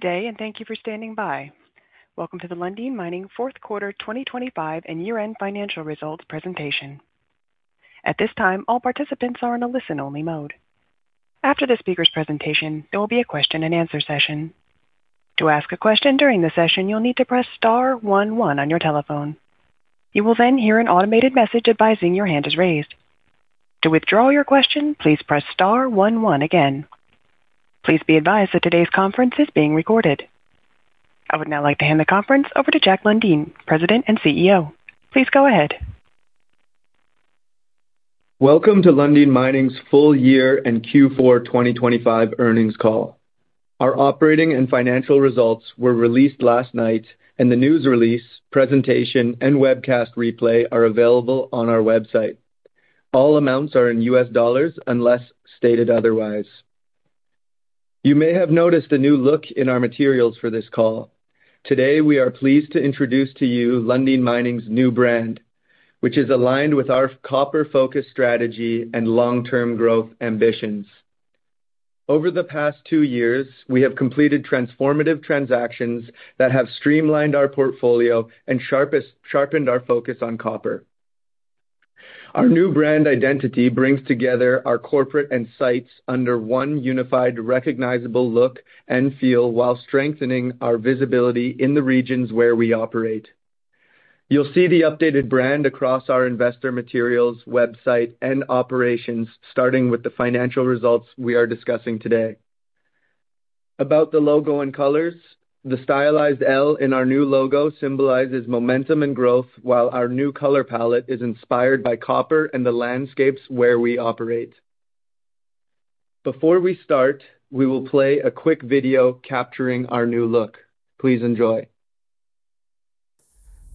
Good day, and thank you for standing by. Welcome to the Lundin Mining Fourth Quarter 2025 and Year End Financial Results Presentation. At this time, all participants are in a listen-only mode. After the speaker's presentation, there will be a question-and-answer session. To ask a question during the session, you'll need to press star one one on your telephone. You will then hear an automated message advising your hand is raised. To withdraw your question, please press star one one again. Please be advised that today's conference is being recorded. I would now like to hand the conference over to Jack Lundin, President and CEO. Please go ahead. Welcome to Lundin Mining's Full Year and Q4 2025 Earnings Call. Our operating and financial results were released last night, and the news release, presentation, and webcast replay are available on our website. All amounts are in U.S. dollars, unless stated otherwise. You may have noticed a new look in our materials for this call. Today, we are pleased to introduce to you Lundin Mining's new brand, which is aligned with our copper-focused strategy and long-term growth ambitions. Over the past two years, we have completed transformative transactions that have streamlined our portfolio and sharpened our focus on copper. Our new brand identity brings together our corporate and sites under one unified, recognizable look and feel, while strengthening our visibility in the regions where we operate. You'll see the updated brand across our investor materials, website, and operations, starting with the financial results we are discussing today. About the logo and colors, the stylized L in our new logo symbolizes momentum and growth, while our new color palette is inspired by copper and the landscapes where we operate. Before we start, we will play a quick video capturing our new look. Please enjoy.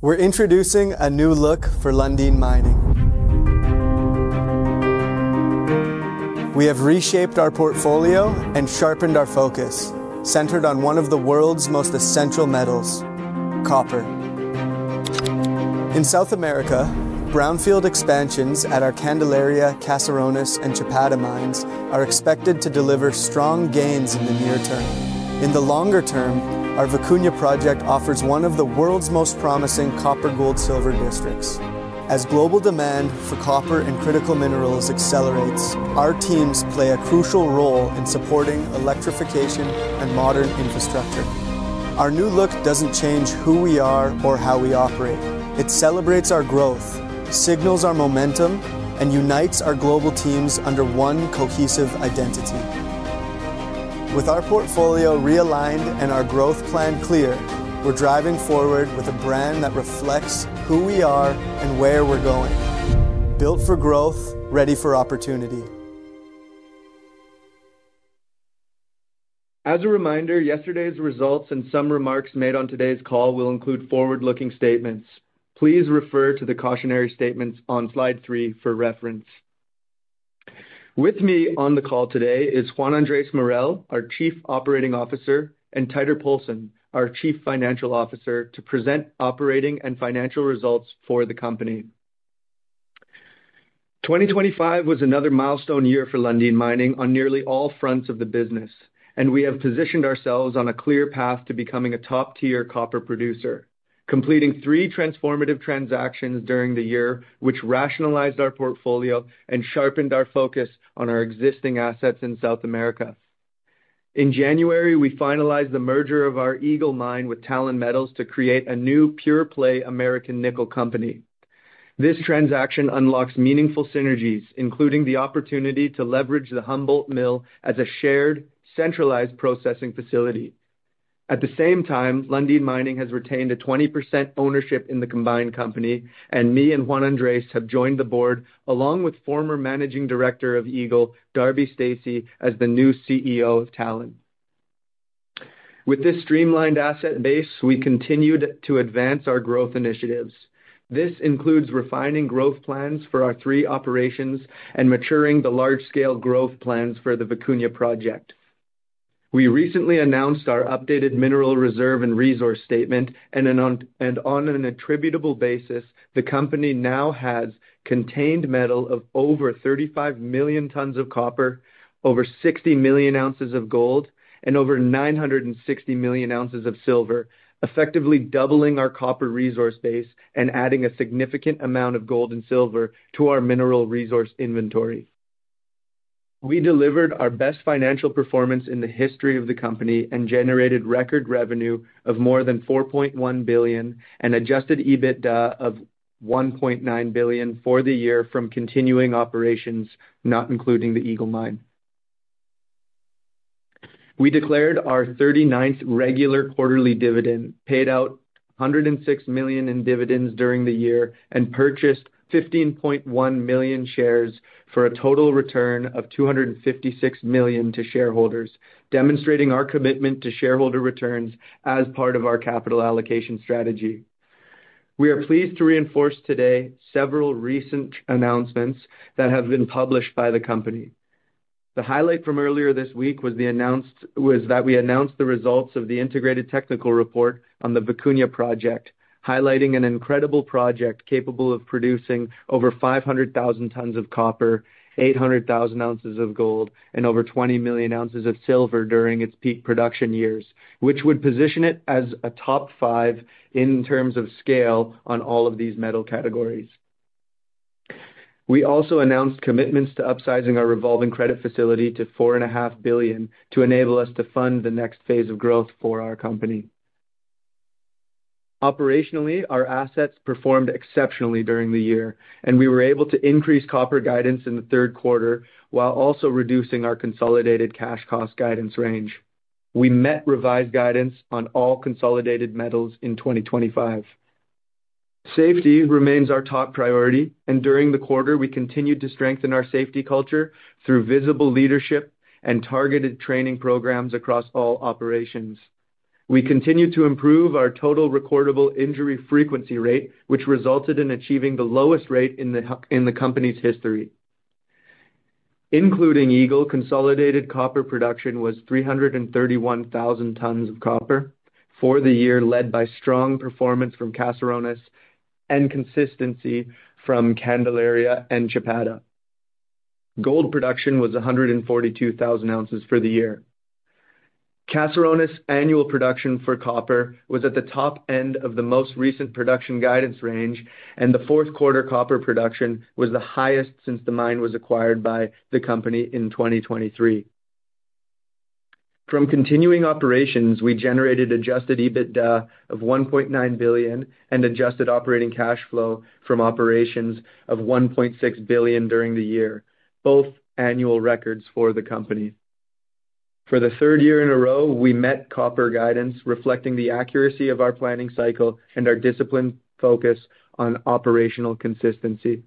We're introducing a new look for Lundin Mining. We have reshaped our portfolio and sharpened our focus, centered on one of the world's most essential metals, copper. In South America, brownfield expansions at our Candelaria, Caserones, and Chapada mines are expected to deliver strong gains in the near term. In the longer term, our Vicuña project offers one of the world's most promising copper-gold-silver districts. As global demand for copper and critical minerals accelerates, our teams play a crucial role in supporting electrification and modern infrastructure. Our new look doesn't change who we are or how we operate. It celebrates our growth, signals our momentum, and unites our global teams under one cohesive identity. With our portfolio realigned and our growth plan clear, we're driving forward with a brand that reflects who we are and where we're going. Built for growth, ready for opportunity. As a reminder, yesterday's results and some remarks made on today's call will include forward-looking statements. Please refer to the cautionary statements on slide three for reference. With me on the call today is Juan Andrés Morel, our Chief Operating Officer, and Teitur Poulsen, our Chief Financial Officer, to present operating and financial results for the company. 2025 was another milestone year for Lundin Mining on nearly all fronts of the business, and we have positioned ourselves on a clear path to becoming a top-tier copper producer, completing three transformative transactions during the year, which rationalized our portfolio and sharpened our focus on our existing assets in South America. In January, we finalized the merger of our Eagle Mine with Talon Metals to create a new pure-play American nickel company. This transaction unlocks meaningful synergies, including the opportunity to leverage the Humboldt Mill as a shared, centralized processing facility. At the same time, Lundin Mining has retained a 20% ownership in the combined company, and me and Juan Andrés have joined the board, along with former Managing Director of Eagle, Darby Stacey, as the new CEO of Talon. With this streamlined asset base, we continued to advance our growth initiatives. This includes refining growth plans for our three operations and maturing the large-scale growth plans for the Vicuña project. We recently announced our updated Mineral Reserve and Resource Statement, and on an attributable basis, the company now has contained metal of over 35 million tons of copper, over 60 million ounces of gold, and over 960 million ounces of silver, effectively doubling our copper resource base and adding a significant amount of gold and silver to our mineral resource inventory. We delivered our best financial performance in the history of the company and generated record revenue of more than $4.1 billion and Adjusted EBITDA of $1.9 billion for the year from continuing operations, not including the Eagle Mine. We declared our 39th regular quarterly dividend, paid out $106 million in dividends during the year, and purchased 15.1 million shares for a total return of $256 million to shareholders, demonstrating our commitment to shareholder returns as part of our capital allocation strategy. We are pleased to reinforce today several recent announcements that have been published by the company. The highlight from earlier this week was that we announced the results of the Integrated Technical Report on the Vicuña project, highlighting an incredible project capable of producing over 500,000 tons of copper, 800,000 ounces of gold, and over 20 million ounces of silver during its peak production years, which would position it as a top five in terms of scale on all of these metal categories. We also announced commitments to upsizing our Revolving Credit Facility to $4.5 billion, to enable us to fund the next phase of growth for our company. Operationally, our assets performed exceptionally during the year, and we were able to increase copper guidance in the third quarter, while also reducing our consolidated cash cost guidance range. We met revised guidance on all consolidated metals in 2025. Safety remains our top priority, and during the quarter, we continued to strengthen our safety culture through visible leadership and targeted training programs across all operations. We continued to improve our total recordable injury frequency rate, which resulted in achieving the lowest rate in the company's history. Including Eagle, consolidated copper production was 331,000 tons of copper for the year, led by strong performance from Caserones and consistency from Candelaria and Chapada. Gold production was 142,000 ounces for the year. Caserones annual production for copper was at the top end of the most recent production guidance range, and the fourth quarter copper production was the highest since the mine was acquired by the company in 2023. From continuing operations, we generated Adjusted EBITDA of $1.9 billion and Adjusted Operating Cash Flow from operations of $1.6 billion during the year, both annual records for the company. For the third year in a row, we met copper guidance, reflecting the accuracy of our planning cycle and our disciplined focus on operational consistency.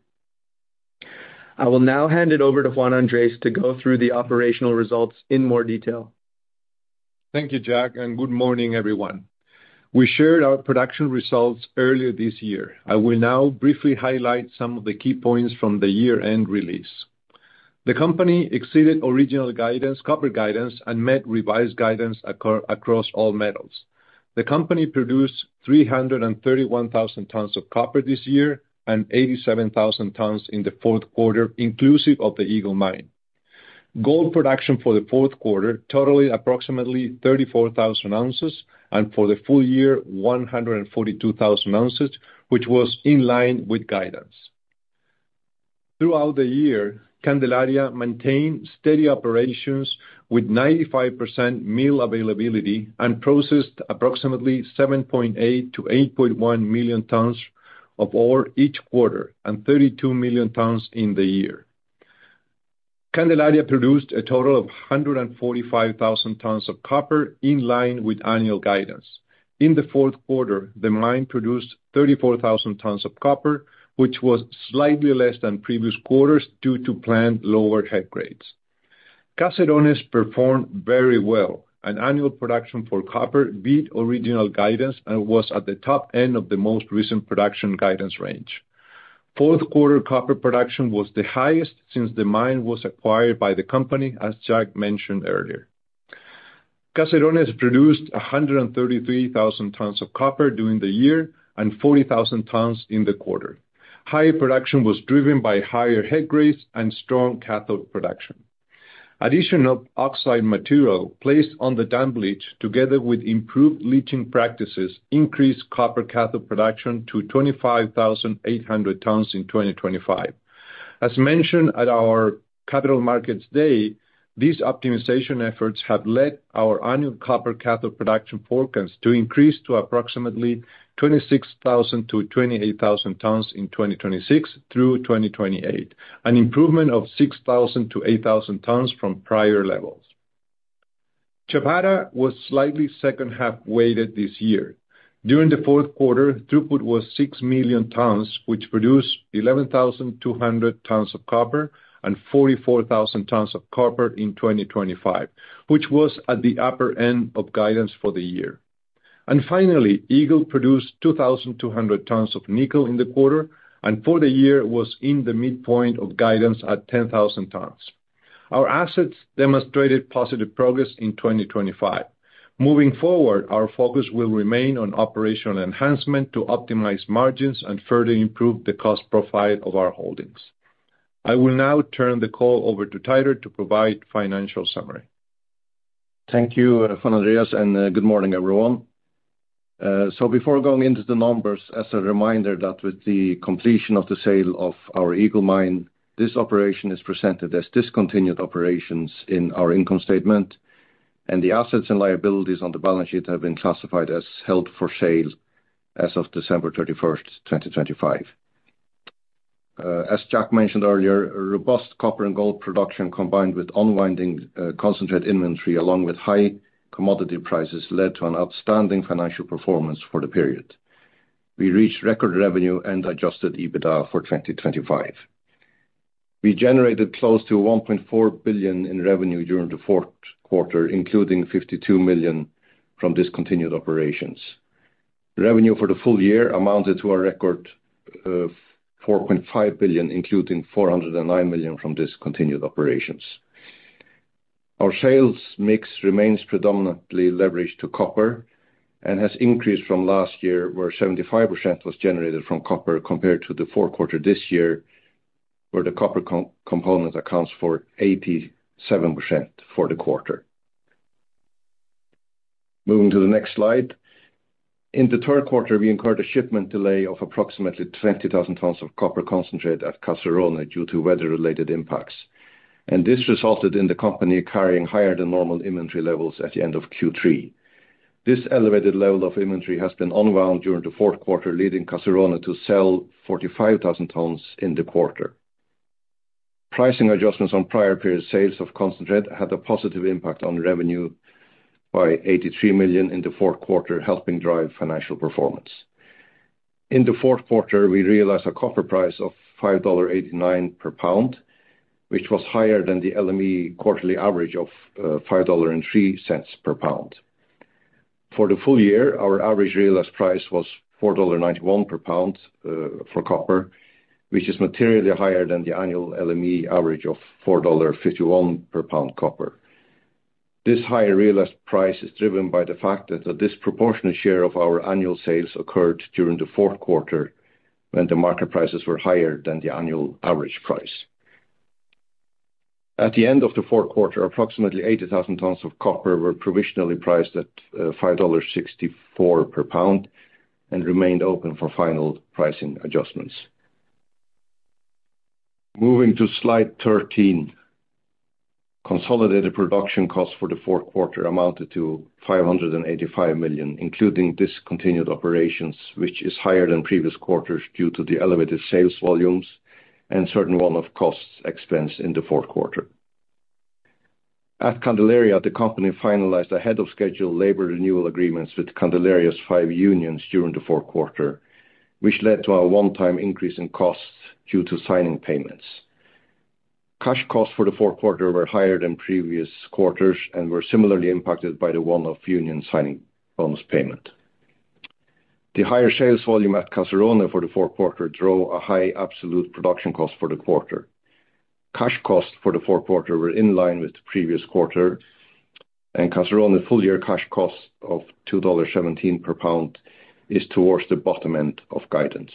I will now hand it over to Juan Andrés to go through the operational results in more detail. Thank you, Jack, and good morning, everyone. We shared our production results earlier this year. I will now briefly highlight some of the key points from the year-end release. The company exceeded original guidance, copper guidance, and met revised guidance across all metals. The company produced 331,000 tons of copper this year and 87,000 tons in the fourth quarter, inclusive of the Eagle Mine. Gold production for the fourth quarter totaling approximately 34,000 ounces, and for the full year, 142,000 ounces, which was in line with guidance. Throughout the year, Candelaria maintained steady operations with 95% mill availability and processed approximately 7.8 million-8.1 million tons of ore each quarter and 32 million tons in the year. Candelaria produced a total of 145,000 tons of copper, in line with annual guidance. In the fourth quarter, the mine produced 34,000 tons of copper, which was slightly less than previous quarters due to planned lower head grades. Caserones performed very well, and annual production for copper beat original guidance and was at the top end of the most recent production guidance range. Fourth quarter copper production was the highest since the mine was acquired by the company, as Jack mentioned earlier. Caserones produced 133,000 tons of copper during the year and 40,000 tons in the quarter. Higher production was driven by higher head grades and strong cathode production. Addition of oxide material placed on the dump leach, together with improved leaching practices, increased copper cathode production to 25,800 tons in 2025. As mentioned at our Capital Markets Day, these optimization efforts have led our annual copper cathode production forecast to increase to approximately 26,000-28,000 tons in 2026 through 2028, an improvement of 6,000-8,000 tons from prior levels. Chapada was slightly second half weighted this year. During the fourth quarter, throughput was 6 million tons, which produced 11,200 tons of copper and 44,000 tons of copper in 2025, which was at the upper end of guidance for the year. And finally, Eagle produced 2,200 tons of nickel in the quarter, and for the year, was in the midpoint of guidance at 10,000 tons. Our assets demonstrated positive progress in 2025. Moving forward, our focus will remain on operational enhancement to optimize margins and further improve the cost profile of our holdings. I will now turn the call over to Teitur to provide financial summary. Thank you, Juan Andrés, and good morning, everyone. So before going into the numbers, as a reminder, that with the completion of the sale of our Eagle Mine, this operation is presented as discontinued operations in our income statement, and the assets and liabilities on the balance sheet have been classified as held for sale as of December 31st, 2025. As Jack mentioned earlier, a robust copper and gold production, combined with unwinding concentrate inventory along with high commodity prices, led to an outstanding financial performance for the period. We reached record revenue and Adjusted EBITDA for 2025. We generated close to $1.4 billion in revenue during the fourth quarter, including $52 million from discontinued operations. Revenue for the full year amounted to a record of $4.5 billion, including $409 million from discontinued operations. Our sales mix remains predominantly leveraged to copper, and has increased from last year, where 75% was generated from copper, compared to the fourth quarter this year, where the copper component accounts for 87% for the quarter. Moving to the next slide. In the third quarter, we incurred a shipment delay of approximately 20,000 tons of copper concentrate at Caserones due to weather-related impacts. This resulted in the company carrying higher than normal inventory levels at the end of Q3. This elevated level of inventory has been unwound during the fourth quarter, leading Caserones to sell 45,000 tons in the quarter. Pricing adjustments on prior period sales of concentrate had a positive impact on revenue by $83 million in the fourth quarter, helping drive financial performance. In the fourth quarter, we realized a copper price of $5.89 per pound, which was higher than the LME quarterly average of $5.03 per pound. For the full year, our average realized price was $4.91 per pound for copper, which is materially higher than the annual LME average of $4.51 per pound copper. This higher realized price is driven by the fact that the disproportionate share of our annual sales occurred during the fourth quarter, when the market prices were higher than the annual average price. At the end of the fourth quarter, approximately 80,000 tons of copper were provisionally priced at $5.64 per pound and remained open for final pricing adjustments. Moving to slide 13. Consolidated production costs for the fourth quarter amounted to $585 million, including discontinued operations, which is higher than previous quarters due to the elevated sales volumes and certain one-off costs expensed in the fourth quarter. At Candelaria, the company finalized ahead of schedule labor renewal agreements with Candelaria's five unions during the fourth quarter, which led to a one-time increase in costs due to signing payments. Cash costs for the fourth quarter were higher than previous quarters and were similarly impacted by the one-off union signing bonus payment. The higher sales volume at Caserones for the fourth quarter drove a high absolute production cost for the quarter. Cash costs for the fourth quarter were in line with the previous quarter, and Caserones full-year cash cost of $2.17 per pound is towards the bottom end of guidance.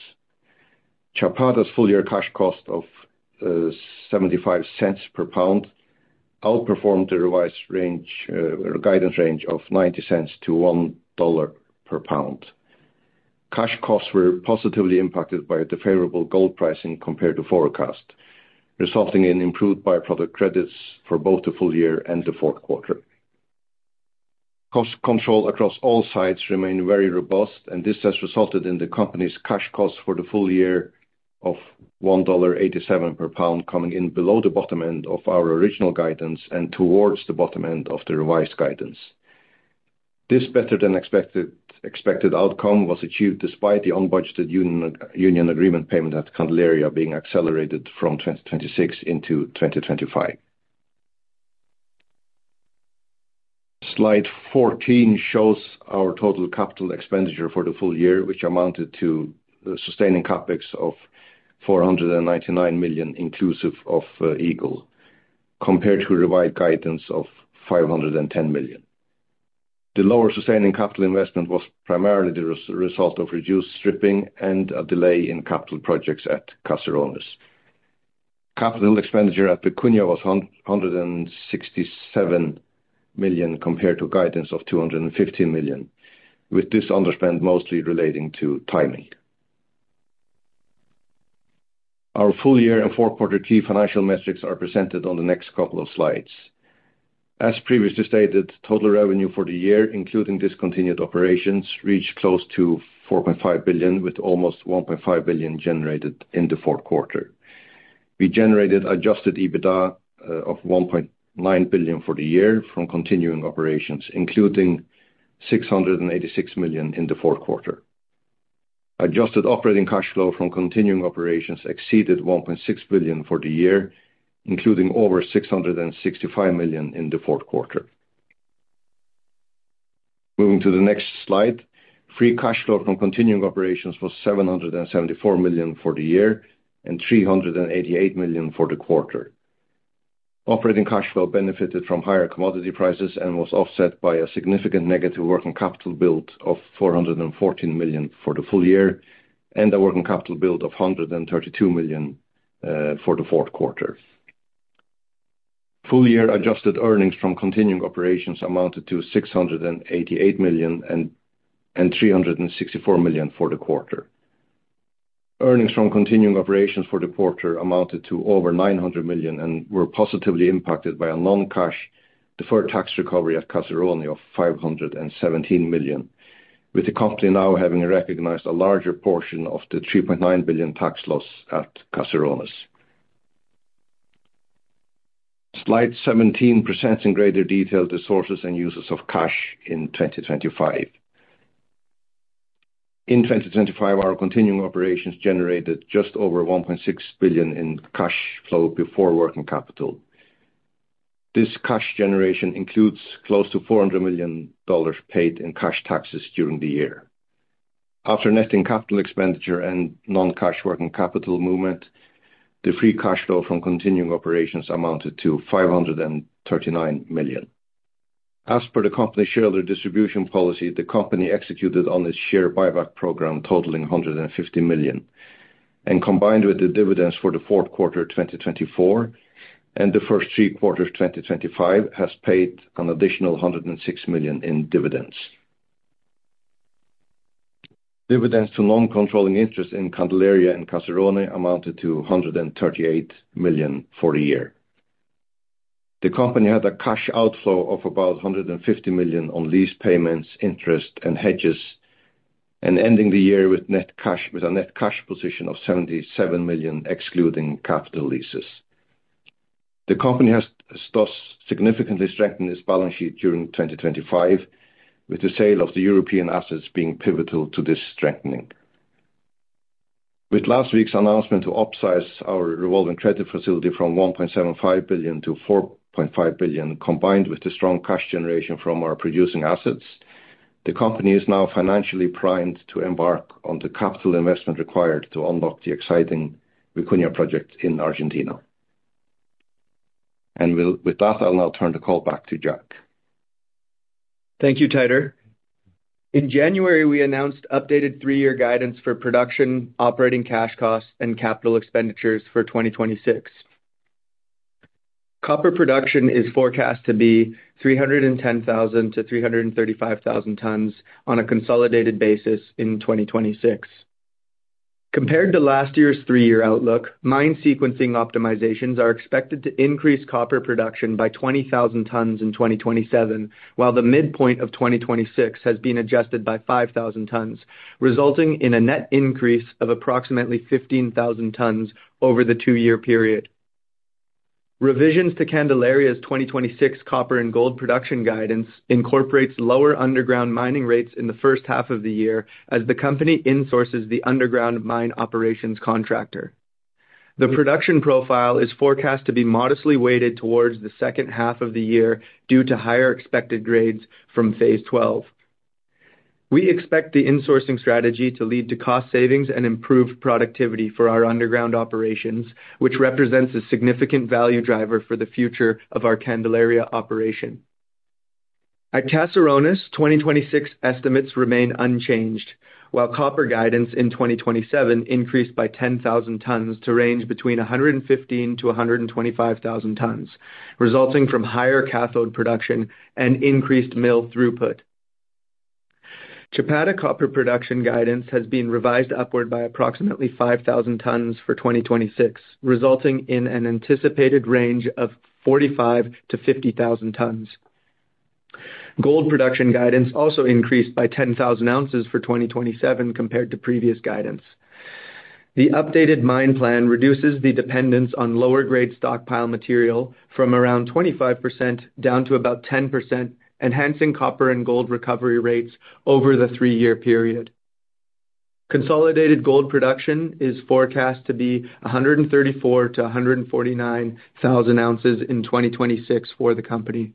Chapada's full-year cash cost of $0.75 per pound outperformed the revised range or guidance range of $0.90-$1.00 per pound. Cash costs were positively impacted by the favorable gold pricing compared to forecast, resulting in improved byproduct credits for both the full year and the fourth quarter. Cost control across all sites remain very robust, and this has resulted in the company's cash costs for the full year of $1.87 per pound, coming in below the bottom end of our original guidance and towards the bottom end of the revised guidance. This better than expected outcome was achieved despite the unbudgeted union agreement payment at Candelaria being accelerated from 2026 into 2025. Slide 14 shows our total capital expenditure for the full year, which amounted to the sustaining CapEx of $499 million, inclusive of Eagle, compared to a revised guidance of $510 million. The lower sustaining capital investment was primarily the result of reduced stripping and a delay in capital projects at Caserones. Capital expenditure at Chapada was $167 million, compared to guidance of $250 million, with this underspend mostly relating to timing. Our full-year and fourth quarter key financial metrics are presented on the next couple of slides. As previously stated, total revenue for the year, including discontinued operations, reached close to $4.5 billion, with almost $1.5 billion generated in the fourth quarter. We generated Adjusted EBITDA of $1.9 billion for the year from continuing operations, including $686 million in the fourth quarter. Adjusted Operating Cash Flow from continuing operations exceeded $1.6 billion for the year, including over $665 million in the fourth quarter. Moving to the next slide. Free cash flow from continuing operations was $774 million for the year and $388 million for the quarter. Operating cash flow benefited from higher commodity prices and was offset by a significant negative working capital build of $414 million for the full year, and a working capital build of $132 million for the fourth quarter. Full-year Adjusted Earnings from continuing operations amounted to $688 million and $364 million for the quarter. Earnings from continuing operations for the quarter amounted to over $900 million and were positively impacted by a non-cash deferred tax recovery at Caserones of $517 million, with the company now having recognized a larger portion of the $3.9 billion tax loss at Caserones. Slide 17 presents in greater detail the sources and uses of cash in 2025. In 2025, our continuing operations generated just over $1.6 billion in cash flow before working capital.... This cash generation includes close to $400 million paid in cash taxes during the year. After netting capital expenditure and non-cash working capital movement, the free cash flow from continuing operations amounted to $539 million. As per the company's shareholder distribution policy, the company executed on its share buyback program, totaling $150 million, and combined with the dividends for the fourth quarter of 2024, and the first three quarters of 2025, has paid an additional $106 million in dividends. Dividends to non-controlling interests in Candelaria and Caserones amounted to $138 million for the year. The company had a cash outflow of about $150 million on lease payments, interest, and hedges, and ending the year with a net cash position of $77 million, excluding capital leases. The company has thus significantly strengthened its balance sheet during 2025, with the sale of the European assets being pivotal to this strengthening. With last week's announcement to upsize our Revolving Credit Facility from $1.75 billion-$4.5 billion, combined with the strong cash generation from our producing assets, the company is now financially primed to embark on the capital investment required to unlock the exciting Vicuña project in Argentina. And with that, I'll now turn the call back to Jack. Thank you, Teitur. In January, we announced updated three-year guidance for production, operating cash costs, and capital expenditures for 2026. Copper production is forecast to be 310,000-335,000 tons on a consolidated basis in 2026. Compared to last year's three-year outlook, mine sequencing optimizations are expected to increase copper production by 20,000 tons in 2027, while the midpoint of 2026 has been adjusted by 5,000 tons, resulting in a net increase of approximately 15,000 tons over the two-year period. Revisions to Candelaria's 2026 copper and gold production guidance incorporates lower underground mining rates in the first half of the year as the company insources the underground mine operations contractor. The production profile is forecast to be modestly weighted towards the second half of the year due to higher expected grades from Phase 12. We expect the insourcing strategy to lead to cost savings and improved productivity for our underground operations, which represents a significant value driver for the future of our Candelaria operation. At Caserones, 2026 estimates remain unchanged, while copper guidance in 2027 increased by 10,000 tons to range between 115,000-125,000 tons, resulting from higher cathode production and increased mill throughput. Chapada copper production guidance has been revised upward by approximately 5,000 tons for 2026, resulting in an anticipated range of 45,000-50,000 tons. Gold production guidance also increased by 10,000 ounces for 2027 compared to previous guidance. The updated mine plan reduces the dependence on lower-grade stockpile material from around 25% down to about 10%, enhancing copper and gold recovery rates over the three-year period. Consolidated gold production is forecast to be 134,000-149,000 ounces in 2026 for the company.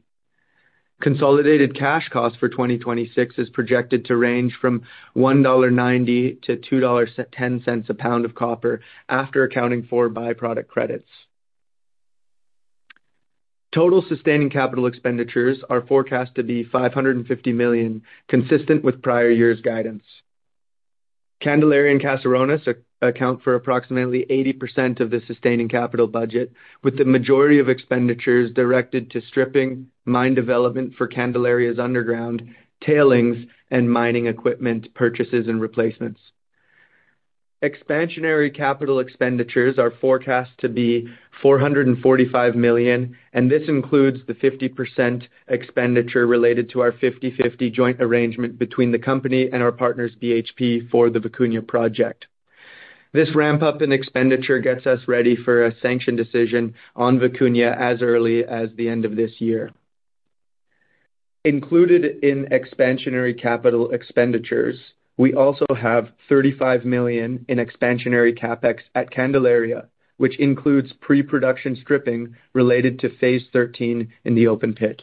Consolidated cash costs for 2026 is projected to range from $1.90-$2.10 a pound of copper after accounting for byproduct credits. Total sustaining capital expenditures are forecast to be $550 million, consistent with prior year's guidance. Candelaria and Caserones account for approximately 80% of the sustaining capital budget, with the majority of expenditures directed to stripping, mine development for Candelaria's underground, tailings, and mining equipment purchases and replacements. Expansionary capital expenditures are forecast to be $445 million, and this includes the 50% expenditure related to our 50/50 joint arrangement between the company and our partners, BHP, for the Vicuña project. This ramp-up in expenditure gets us ready for a sanction decision on Vicuña as early as the end of this year. Included in expansionary capital expenditures, we also have $35 million in expansionary CapEx at Candelaria, which includes pre-production stripping related to Phase 13 in the open pit.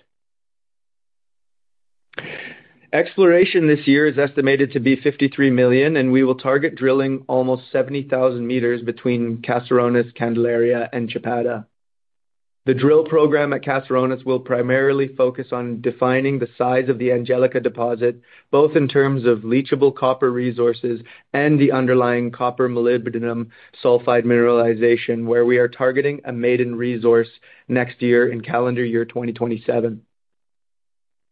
Exploration this year is estimated to be $53 million, and we will target drilling almost 70,000 meters between Caserones, Candelaria, and Chapada. The drill program at Caserones will primarily focus on defining the size of the Angelica deposit, both in terms of leachable copper resources and the underlying copper molybdenum sulfide mineralization, where we are targeting a maiden resource next year in calendar year 2027.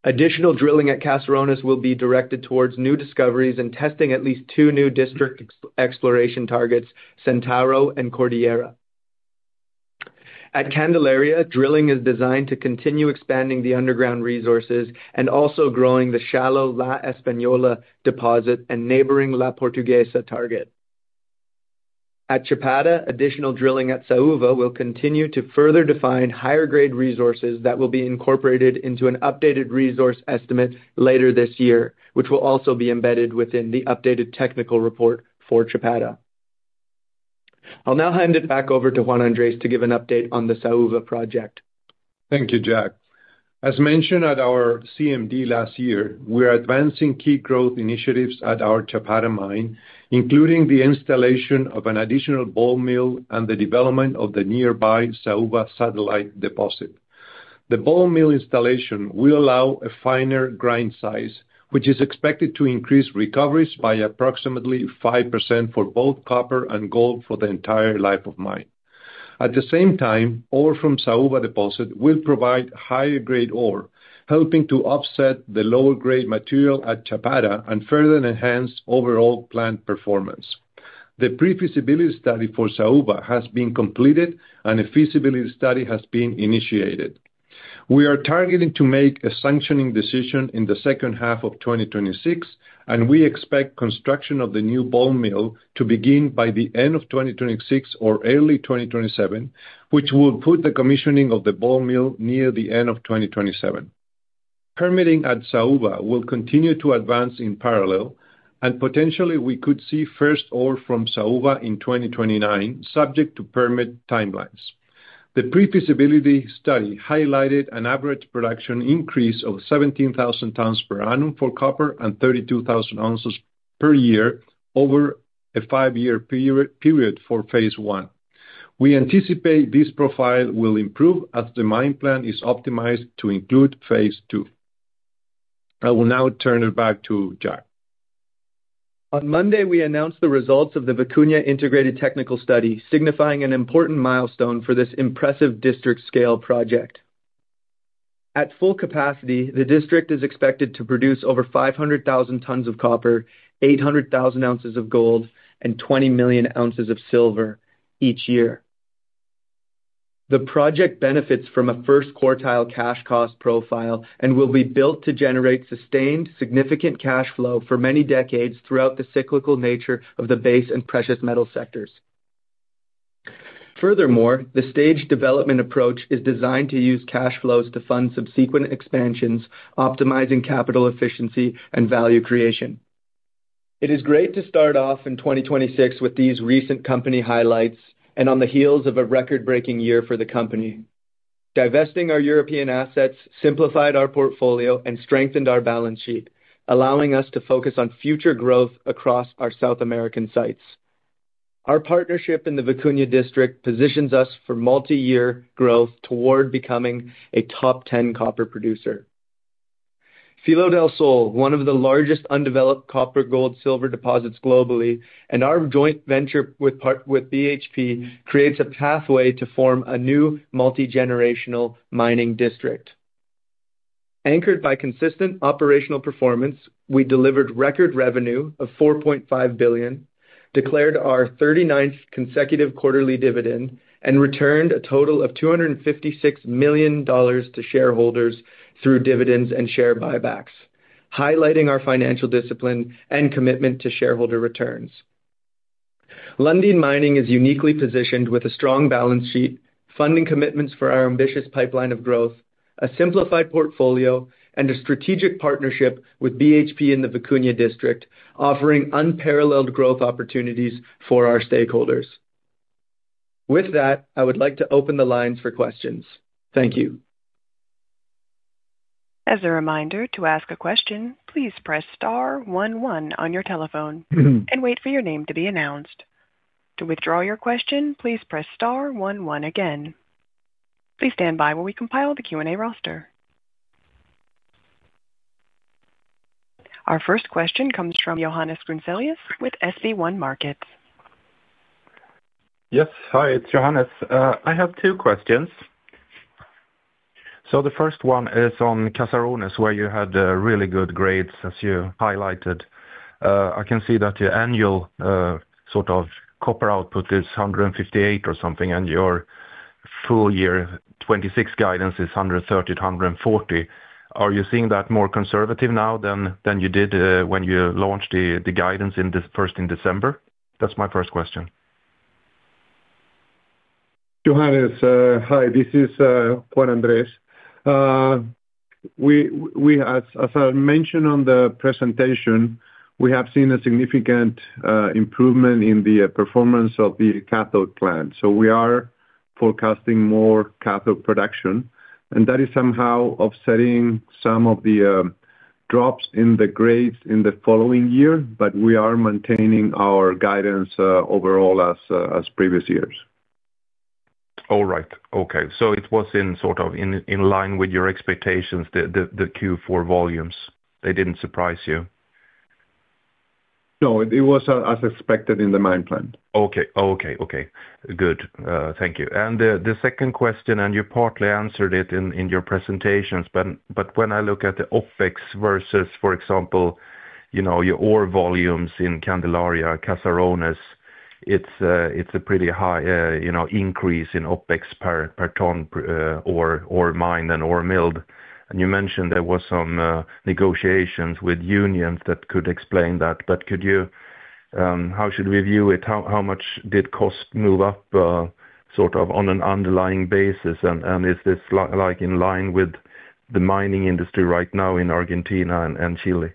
Additional drilling at Caserones will be directed towards new discoveries and testing at least two new district exploration targets, Centauro and Cordillera. At Candelaria, drilling is designed to continue expanding the underground resources and also growing the shallow La Española deposit and neighboring La Portuguesa target. At Chapada, additional drilling at Saúva will continue to further define higher-grade resources that will be incorporated into an updated resource estimate later this year, which will also be embedded within the updated Technical Report for Chapada. I'll now hand it back over to Juan Andrés to give an update on the Saúva project. Thank you, Jack. As mentioned at our CMD last year, we are advancing key growth initiatives at our Chapada mine, including the installation of an additional ball mill and the development of the nearby Saúva satellite deposit. The ball mill installation will allow a finer grind size, which is expected to increase recoveries by approximately 5% for both copper and gold for the entire life of mine. At the same time, ore from Saúva deposit will provide higher grade ore, helping to offset the lower grade material at Chapada and further enhance overall plant performance. The pre-feasibility study for Saúva has been completed and a feasibility study has been initiated. We are targeting to make a sanctioning decision in the second half of 2026, and we expect construction of the new ball mill to begin by the end of 2026 or early 2027, which will put the commissioning of the ball mill near the end of 2027. Permitting at Saúva will continue to advance in parallel, and potentially we could see first ore from Saúva in 2029, subject to permit timelines. The pre-feasibility study highlighted an average production increase of 17,000 tons per annum for copper and 32,000 ounces per year over a five-year period for Phase 1. We anticipate this profile will improve as the mine plan is optimized to include Phase 2. I will now turn it back to Jack. On Monday, we announced the results of the Vicuña integrated technical study, signifying an important milestone for this impressive district scale project. At full capacity, the district is expected to produce over 500,000 tons of copper, 800,000 ounces of gold, and 20 million ounces of silver each year. The project benefits from a first quartile cash cost profile and will be built to generate sustained, significant cash flow for many decades throughout the cyclical nature of the base and precious metal sectors. Furthermore, the stage development approach is designed to use cash flows to fund subsequent expansions, optimizing capital efficiency and value creation. It is great to start off in 2026 with these recent company highlights and on the heels of a record-breaking year for the company. Divesting our European assets simplified our portfolio and strengthened our balance sheet, allowing us to focus on future growth across our South American sites. Our partnership in the Vicuña district positions us for multi-year growth toward becoming a top 10 copper producer. Filo del Sol, one of the largest undeveloped copper, gold, silver deposits globally, and our joint venture with BHP, creates a pathway to form a new multigenerational mining district. Anchored by consistent operational performance, we delivered record revenue of $4.5 billion, declared our 39th consecutive quarterly dividend, and returned a total of $256 million to shareholders through dividends and share buybacks, highlighting our financial discipline and commitment to shareholder returns. Lundin Mining is uniquely positioned with a strong balance sheet, funding commitments for our ambitious pipeline of growth, a simplified portfolio, and a strategic partnership with BHP in the Vicuña district, offering unparalleled growth opportunities for our stakeholders. With that, I would like to open the lines for questions. Thank you. As a reminder, to ask a question, please press star one one on your telephone. And wait for your name to be announced. To withdraw your question, please press star one one again. Please stand by while we compile the Q&A roster. Our first question comes from Johannes Grunselius with SB1 Markets. Yes. Hi, it's Johannes. I have two questions. So the first one is on Caserones, where you had really good grades, as you highlighted. I can see that your annual sort of copper output is 158 or something, and your full year 2026 guidance is 130-140. Are you seeing that more conservative now than you did when you launched the guidance in this first in December? That's my first question. Johannes, hi, this is Juan Andrés. We, as I mentioned on the presentation, we have seen a significant improvement in the performance of the cathode plant, so we are forecasting more cathode production, and that is somehow offsetting some of the drops in the grades in the following year, but we are maintaining our guidance overall as previous years. All right. Okay, so it was sort of in line with your expectations, the Q4 volumes. They didn't surprise you? No, it was as expected in the mine plan. Okay. Okay, okay, good. Thank you. And the second question, and you partly answered it in your presentations, but when I look at the OpEx versus, for example, you know, your ore volumes in Candelaria, Caserones, it's a pretty high, you know, increase in OpEx per ton, ore mine and ore mill. And you mentioned there was some negotiations with unions that could explain that, but could you how should we view it? How much did cost move up, sort of on an underlying basis? And is this like in line with the mining industry right now in Argentina and Chile?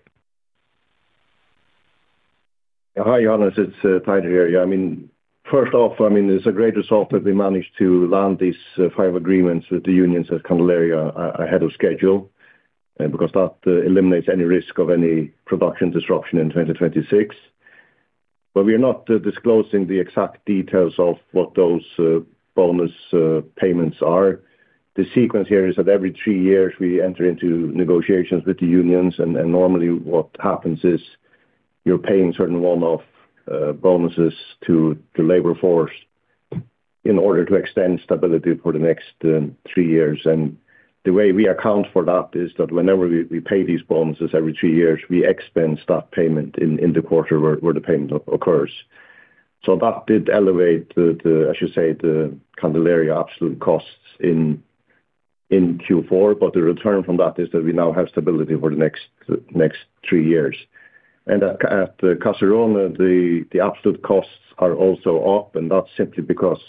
Yeah. Hi, Johannes. It's Teitur here. Yeah, I mean, first off, I mean, it's a great result that we managed to land these five agreements with the unions at Candelaria ahead of schedule, because that eliminates any risk of any production disruption in 2026. But we are not disclosing the exact details of what those bonus payments are. The sequence here is that every three years we enter into negotiations with the unions, and normally what happens is you're paying certain one-off bonuses to the labor force in order to extend stability for the next three years. And the way we account for that is that whenever we pay these bonuses every three years, we expense that payment in the quarter where the payment occurs. So that did elevate the, I should say, the Candelaria absolute costs in Q4, but the return from that is that we now have stability for the next three years. And at Caserones, the absolute costs are also up, and that's simply because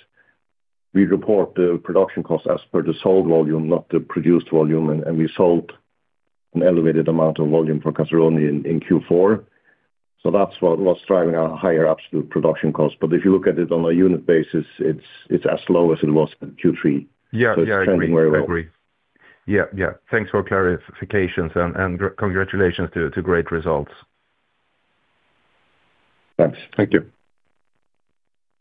we report the production costs as per the sold volume, not the produced volume, and we sold an elevated amount of volume for Caserones in Q4. So that's what was driving our higher absolute production costs. But if you look at it on a unit basis, it's as low as it was in Q3. Yeah, yeah, I agree. It's trending very well. I agree. Yeah, yeah. Thanks for clarifications, and congratulations to great results. Thanks. Thank you.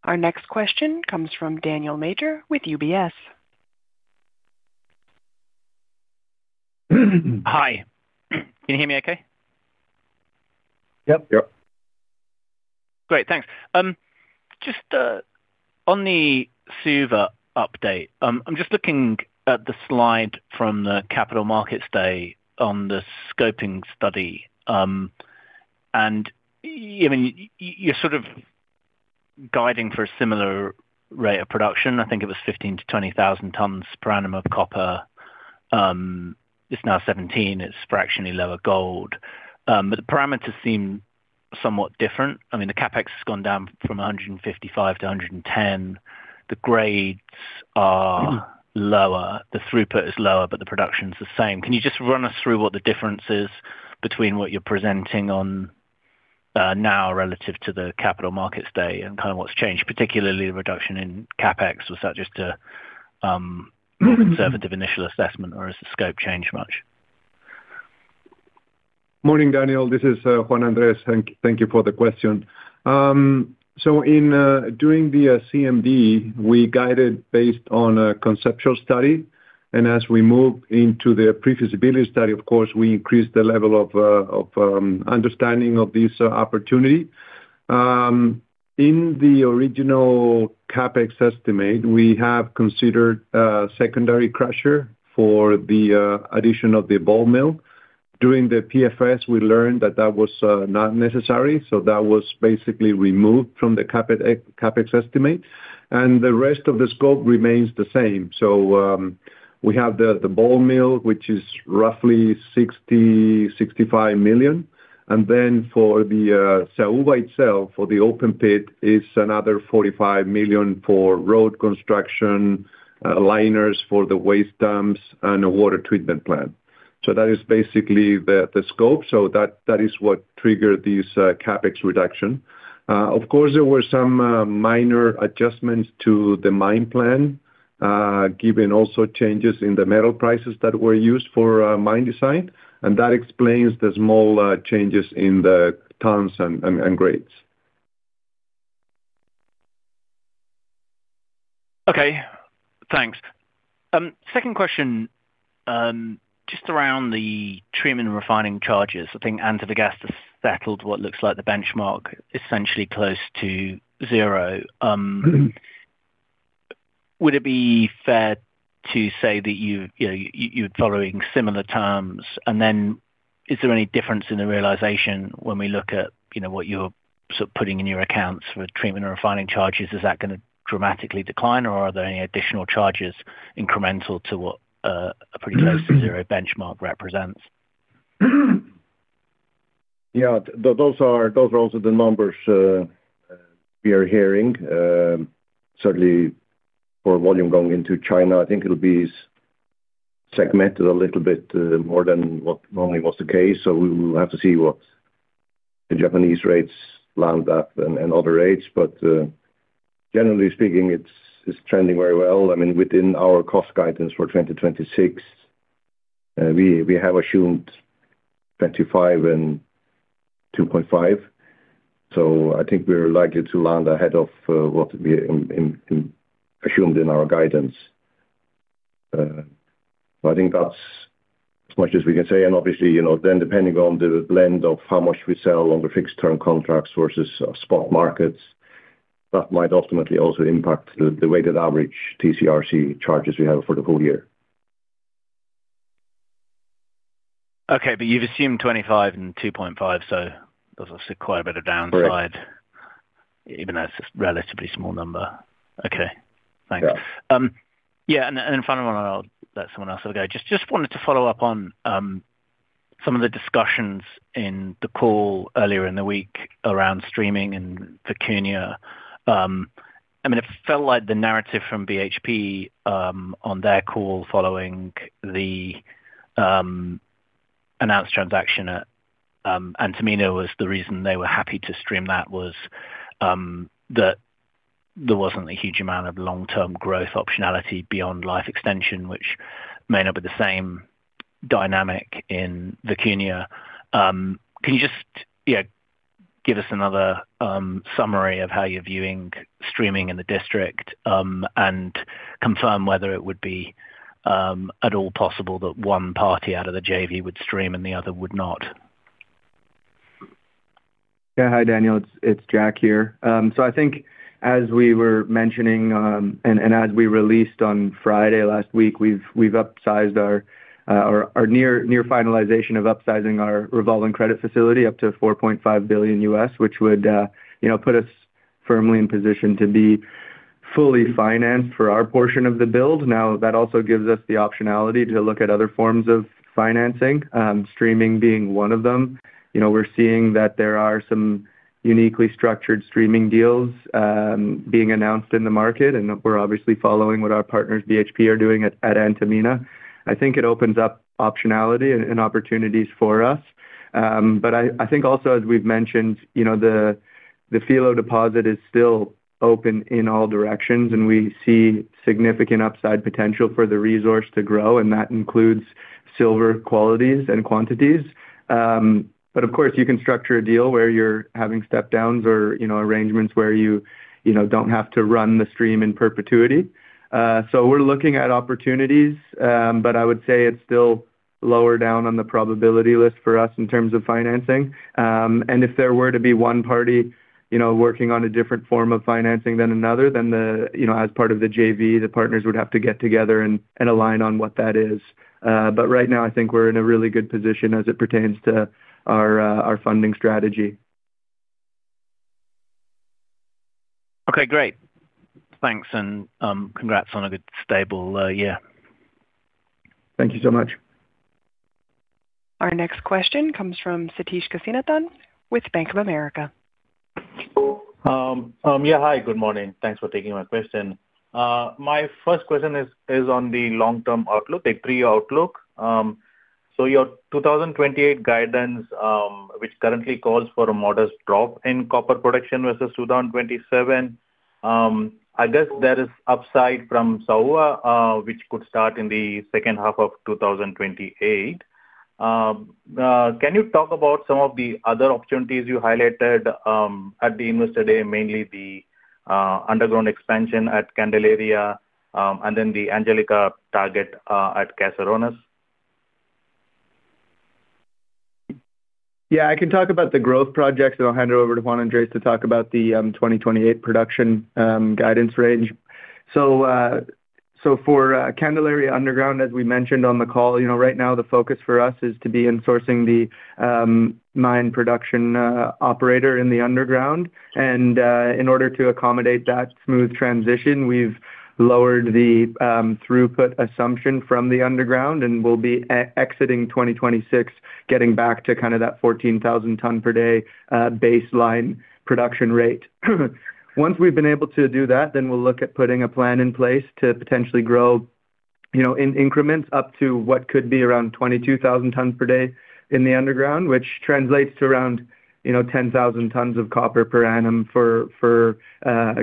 Our next question comes from Daniel Major with UBS. Hi, can you hear me okay? Yep. Yep. Great, thanks. Just on the Saúva update, I'm just looking at the slide from the capital markets day on the scoping study. I mean, you're sort of guiding for a similar rate of production. I think it was 15,000-20,000 tons per annum of copper. It's now 17,000, it's fractionally lower gold, but the parameters seem somewhat different. I mean, the CapEx has gone down from $155-$110. The grades are lower, the throughput is lower, but the production's the same. Can you just run us through what the difference is between what you're presenting on now relative to the capital markets day and kind of what's changed, particularly the reduction in CapEx? Was that just a more conservative initial assessment, or has the scope changed much? Morning, Daniel. This is Juan Andrés. Thank you for the question. So in doing the CMD, we guided based on a conceptual study, and as we moved into the pre-feasibility study, of course, we increased the level of understanding of this opportunity. In the original CapEx estimate, we have considered a secondary crusher for the addition of the ball mill. During the PFS, we learned that that was not necessary, so that was basically removed from the CapEx estimate, and the rest of the scope remains the same. So we have the ball mill, which is roughly $65 million. And then for the Saúva itself, for the open pit, is another $45 million for road construction, liners for the waste dumps and a water treatment plant. So that is basically the scope. So that, that is what triggered this CapEx reduction. Of course, there were some minor adjustments to the mine plan, given also changes in the metal prices that were used for mine design, and that explains the small changes in the tons and grades. Okay, thanks. Second question, just around the treatment and refining charges. I think Antofagasta settled what looks like the benchmark essentially close to zero, would it be fair to say that you, you know, you're following similar terms? And then is there any difference in the realization when we look at, you know, what you're sort of putting in your accounts for treatment and refining charges, is that gonna dramatically decline, or are there any additional charges incremental to what, a pretty close to zero benchmark represents? Yeah, those are, those are also the numbers we are hearing. Certainly for volume going into China, I think it'll be segmented a little bit more than what normally was the case. So we will have to see what the Japanese rates land at and other rates. But generally speaking, it's trending very well. I mean, within our cost guidance for 2026, we have assumed 25 and 2.5, so I think we're likely to land ahead of what we assumed in our guidance. I think that's as much as we can say, and obviously, you know, then depending on the blend of how much we sell on the fixed-term contracts versus spot markets, that might ultimately also impact the weighted average TC/RC charges we have for the full year. Okay, but you've assumed 25 and 2.5, so there's also quite a bit of downside- Correct. -even though it's a relatively small number. Okay, thanks. Yeah. Yeah, and final one, and I'll let someone else have a go. Just wanted to follow up on some of the discussions in the call earlier in the week around streaming and Vicuña. I mean, it felt like the narrative from BHP on their call following the announced transaction at Antamina was the reason they were happy to stream that was that there wasn't a huge amount of long-term growth optionality beyond life extension, which may not be the same dynamic in the Vicuña. Can you just, you know, give us another summary of how you're viewing streaming in the district, and confirm whether it would be at all possible that one party out of the JV would stream and the other would not? Yeah. Hi, Daniel. It's Jack here. So I think as we were mentioning, and as we released on Friday last week, we've upsized our near finalization of upsizing our Revolving Credit Facility up to $4.5 billion, which would, you know, put us firmly in position to be fully financed for our portion of the build. Now, that also gives us the optionality to look at other forms of financing, streaming being one of them. You know, we're seeing that there are some uniquely structured streaming deals, being announced in the market, and we're obviously following what our partners, BHP, are doing at Antamina. I think it opens up optionality and opportunities for us. But I, I think also as we've mentioned, you know, the Filo deposit is still open in all directions, and we see significant upside potential for the resource to grow, and that includes silver qualities and quantities. But of course, you can structure a deal where you're having step downs or, you know, arrangements where you, you know, don't have to run the stream in perpetuity. So we're looking at opportunities, but I would say it's still lower down on the probability list for us in terms of financing. And if there were to be one party, you know, working on a different form of financing than another, then you know, as part of the JV, the partners would have to get together and, and align on what that is. But right now, I think we're in a really good position as it pertains to our funding strategy. Okay, great. Thanks, and, congrats on a good, stable, year. Thank you so much. Our next question comes from Sathish Kasinathan with Bank of America. Yeah, hi, good morning. Thanks for taking my question. My first question is on the long-term outlook, the outlook. So your 2028 guidance, which currently calls for a modest drop in copper production versus 2027, I guess there is upside from Saúva, which could start in the second half of 2028. Can you talk about some of the other opportunities you highlighted at the investor day, mainly the underground expansion at Candelaria, and then the Angelica target at Caserones? Yeah, I can talk about the growth projects, and I'll hand it over to Juan Andrés to talk about the 2028 production guidance range. So, for Candelaria Underground, as we mentioned on the call, you know, right now the focus for us is to be insourcing the mine production operator in the underground. And, in order to accommodate that smooth transition, we've lowered the throughput assumption from the underground, and we'll be exiting 2026, getting back to kind of that 14,000 ton per day baseline production rate. Once we've been able to do that, then we'll look at putting a plan in place to potentially grow, you know, in increments up to what could be around 22,000 tons per day in the underground, which translates to around, you know, 10,000 tons of copper per annum for, for,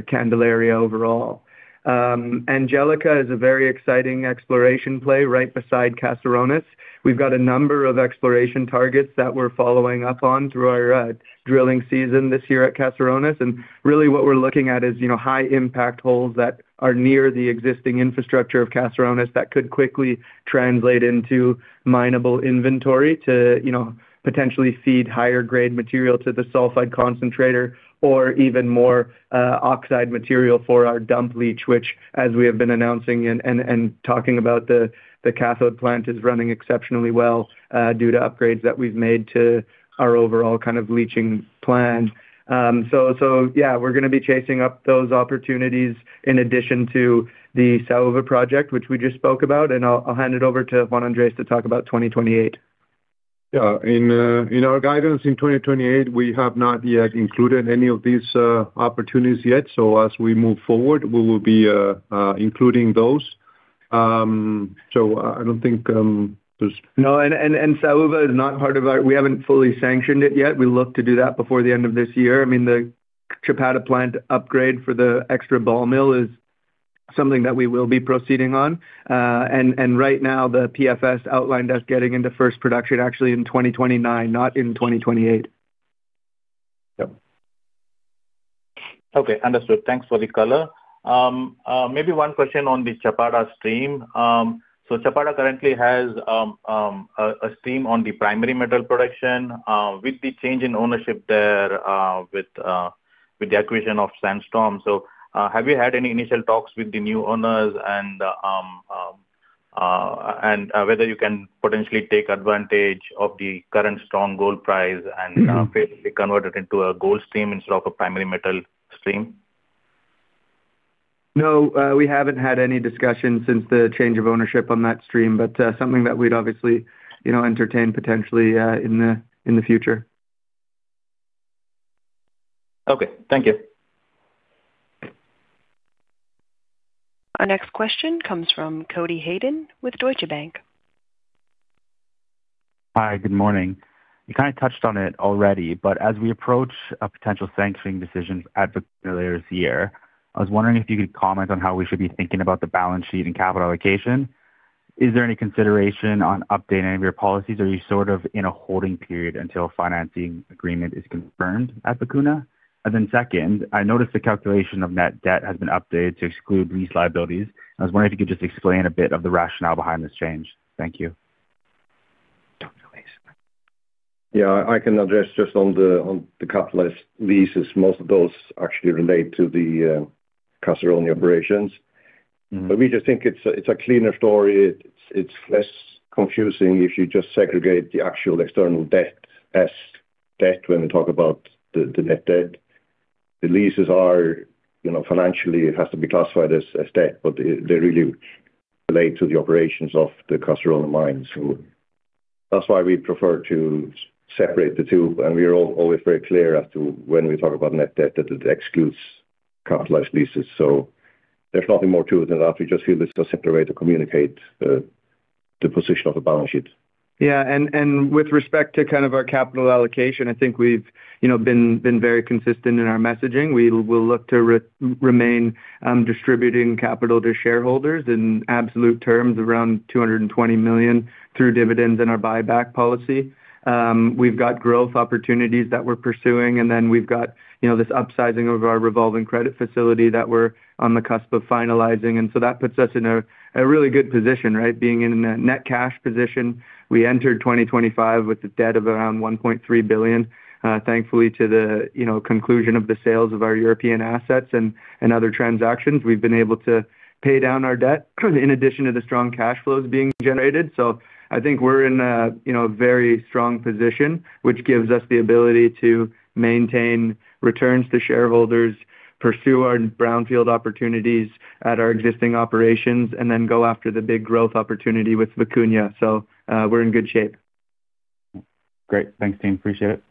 Candelaria overall. Angelica is a very exciting exploration play right beside Caserones. We've got a number of exploration targets that we're following up on through our drilling season this year at Caserones, and really what we're looking at is, you know, high impact holes that are near the existing infrastructure of Caserones that could quickly translate into mineable inventory to, you know, potentially feed higher grade material to the sulfide concentrator or even more oxide material for our dump leach, which, as we have been announcing and talking about, the cathode plant is running exceptionally well due to upgrades that we've made to our overall kind of leaching plan. So yeah, we're gonna be chasing up those opportunities in addition to the Saúva project, which we just spoke about, and I'll hand it over to Juan Andrés to talk about 2028. Yeah. In our guidance in 2028, we have not yet included any of these opportunities yet. So as we move forward, we will be including those. So I don't think there's- No, Saúva is not part of our... We haven't fully sanctioned it yet. We look to do that before the end of this year. I mean, the Chapada plant upgrade for the extra ball mill is something that we will be proceeding on. Right now, the PFS outlined us getting into first production actually in 2029, not in 2028. Yep. Okay, understood. Thanks for the color. Maybe one question on the Chapada stream. So, Chapada currently has a stream on the primary metal production, with the change in ownership there, with the acquisition of Sandstorm. So, have you had any initial talks with the new owners and whether you can potentially take advantage of the current strong gold price and convert it into a gold stream instead of a primary metal stream? No, we haven't had any discussions since the change of ownership on that stream, but, something that we'd obviously, you know, entertain potentially in the future. Okay, thank you. Our next question comes from Cody Hayden with Deutsche Bank. Hi, good morning. You kind of touched on it already, but as we approach a potential sanctioning decision at earlier this year, I was wondering if you could comment on how we should be thinking about the balance sheet and capital allocation. Is there any consideration on updating any of your policies, or are you sort of in a holding period until a financing agreement is confirmed at Vicuña? And then second, I noticed the calculation of net debt has been updated to exclude lease liabilities. I was wondering if you could just explain a bit of the rationale behind this change. Thank you. Yeah, I can address just on the capitalized leases. Most of those actually relate to the Caserones operations. But we just think it's a cleaner story. It's less confusing if you just segregate the actual external debt as debt when we talk about the net debt. The leases are, you know, financially, it has to be classified as debt, but they really relate to the operations of the Caserones mines. So that's why we prefer to separate the two, and we are always very clear as to when we talk about net debt, that it excludes capitalized leases. So there's nothing more to it than that. We just feel it's a simpler way to communicate the position of the balance sheet. Yeah, and with respect to kind of our capital allocation, I think we've, you know, been very consistent in our messaging. We will look to remain distributing capital to shareholders in absolute terms, around $220 million through dividends and our buyback policy. We've got growth opportunities that we're pursuing, and then we've got, you know, this upsizing of our Revolving Credit Facility that we're on the cusp of finalizing. And so that puts us in a really good position, right? Being in a net cash position. We entered 2025 with a debt of around $1.3 billion. Thankfully to the, you know, conclusion of the sales of our European assets and other transactions, we've been able to pay down our debt in addition to the strong cash flows being generated. So I think we're in a, you know, very strong position, which gives us the ability to maintain returns to shareholders, pursue our brownfield opportunities at our existing operations, and then go after the big growth opportunity with Vicuña. So, we're in good shape. Great. Thanks, team. Appreciate it.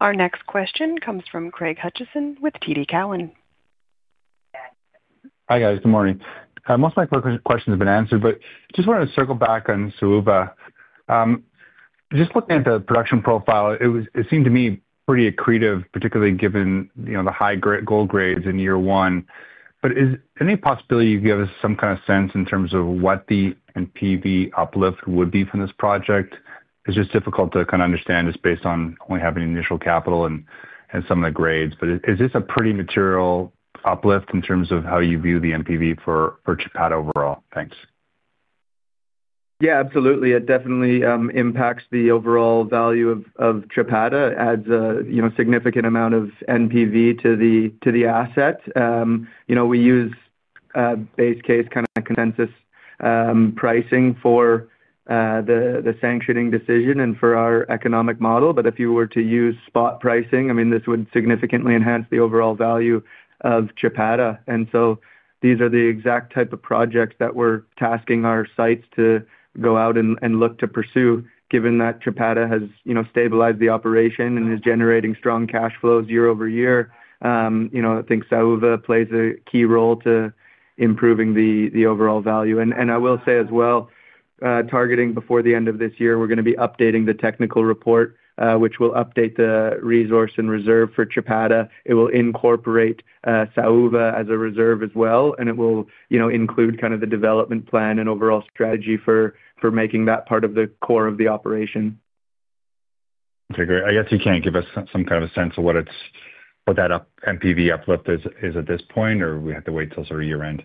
Our next question comes from Craig Hutchison with TD Cowen. Hi, guys. Good morning. Most of my questions have been answered, but just wanted to circle back on Saúva. Just looking at the production profile, it was—it seemed to me pretty accretive, particularly given, you know, the high gold grades in year one. But is any possibility you give us some kind of sense in terms of what the NPV uplift would be from this project? It's just difficult to kind of understand this based on only having initial capital and, and some of the grades. But is, is this a pretty material uplift in terms of how you view the NPV for, for Chapada overall? Thanks. Yeah, absolutely. It definitely impacts the overall value of Chapada, adds a, you know, significant amount of NPV to the asset. You know, we use base case, kind of, consensus pricing for the sanctioning decision and for our economic model. But if you were to use spot pricing, I mean, this would significantly enhance the overall value of Chapada. And so these are the exact type of projects that we're tasking our sites to go out and look to pursue, given that Chapada has, you know, stabilized the operation and is generating strong cash flows year-over-year. You know, I think Saúva plays a key role to improving the overall value. And I will say as well, targeting before the end of this year, we're going to be updating the Technical Report, which will update the resource and reserve for Chapada. It will incorporate Saúva as a reserve as well, and it will, you know, include kind of the development plan and overall strategy for making that part of the core of the operation. Okay, great. I guess you can't give us some kind of a sense of what that up NPV uplift is at this point, or we have to wait till sort of year-end?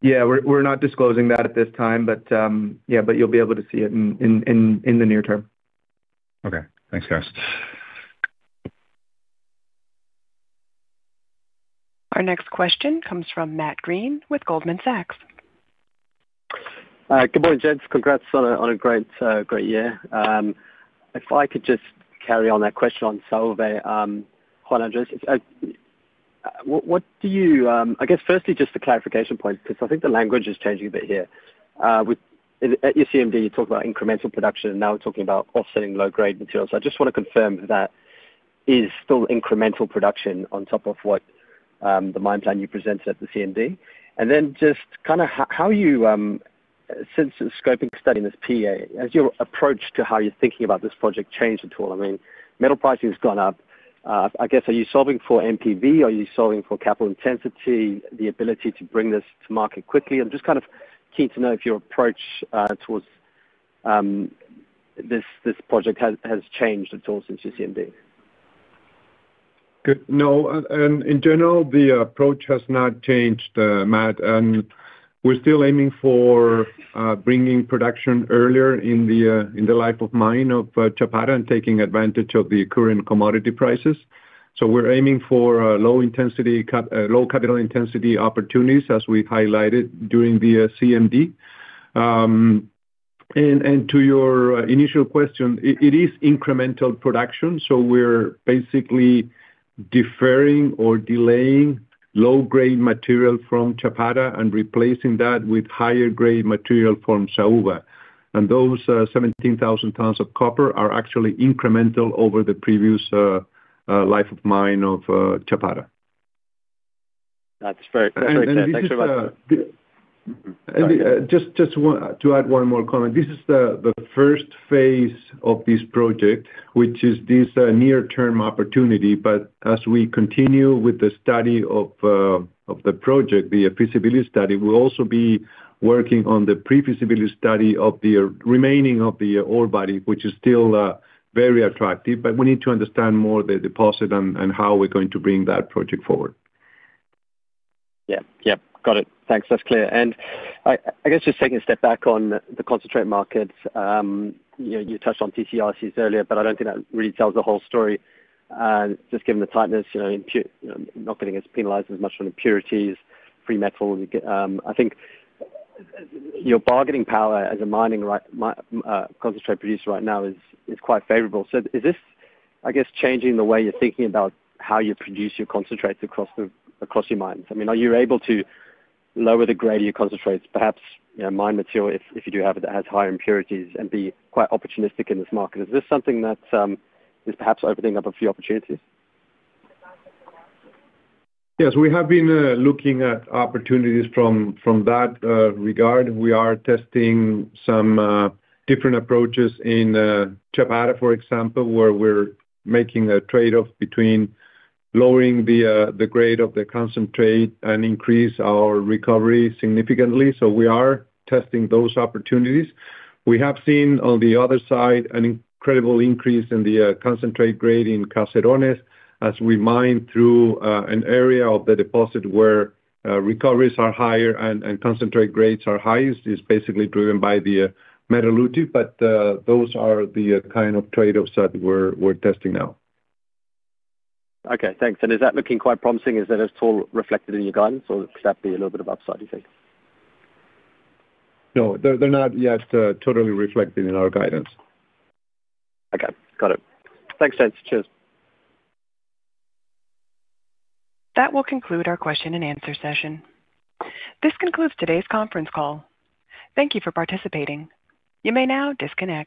Yeah, we're not disclosing that at this time, but yeah, but you'll be able to see it in the near term. Okay. Thanks, guys. Our next question comes from Matt Greene with Goldman Sachs. Good morning, gents. Congrats on a great year. If I could just carry on that question on Saúva, Juan Andrés, what do you... I guess, firstly, just for clarification points, because I think the language is changing a bit here. With, at your CMD, you talk about incremental production, and now we're talking about offsetting low-grade materials. So I just want to confirm that is still incremental production on top of what the mine plan you presented at the CMD. And then just kind of how you since the scoping study in this PEA, has your approach to how you're thinking about this project changed at all? I mean, metal pricing has gone up. I guess, are you solving for NPV? Are you solving for capital intensity, the ability to bring this to market quickly? I'm just kind of keen to know if your approach towards this project has changed at all since you CMD? Good. No, and in general, the approach has not changed, Matt, and we're still aiming for, bringing production earlier in the, in the life of mine of, Chapada and taking advantage of the current commodity prices. So we're aiming for, low capital intensity opportunities, as we've highlighted during the, CMD. And, and to your, initial question, it, it is incremental production, so we're basically deferring or delaying low-grade material from Chapada and replacing that with higher-grade material from Saúva. And those 17,000 tons of copper are actually incremental over the previous life of mine of Chapada. That's very, very clear. Thanks so much. To add one more comment, this is the first phase of this project, which is the near-term opportunity. But as we continue with the study of the project, the feasibility study, we'll also be working on the pre-feasibility study of the remaining of the ore body, which is still very attractive, but we need to understand more the deposit and how we're going to bring that project forward. Yeah, yep, got it. Thanks. That's clear. And I, I guess just taking a step back on the concentrate markets, you know, you touched on TCRCs earlier, but I don't think that really tells the whole story. And just given the tightness, you know, not getting as penalized as much on impurities, free metal, I think your bargaining power as a mining right, concentrate producer right now is, is quite favorable. So is this, I guess, changing the way you're thinking about how you produce your concentrates across the, across your mines? I mean, are you able to lower the grade of your concentrates, perhaps, you know, mine material, if you do have it, that has higher impurities and be quite opportunistic in this market? Is this something that, is perhaps opening up a few opportunities? Yes, we have been looking at opportunities from that regard. We are testing some different approaches in Chapada, for example, where we're making a trade-off between lowering the grade of the concentrate and increase our recovery significantly. So we are testing those opportunities. We have seen, on the other side, an incredible increase in the concentrate grade in Caserones as we mine through an area of the deposit where recoveries are higher and concentrate grades are highest. It's basically driven by the metallurgy, but those are the kind of trade-offs that we're testing now. Okay, thanks. And is that looking quite promising? Is that at all reflected in your guidance, or could that be a little bit of upside, you think? No, they're, they're not yet totally reflected in our guidance. Okay, got it. Thanks, Juan. Cheers. That will conclude our question and answer session. This concludes today's conference call. Thank you for participating. You may now disconnect.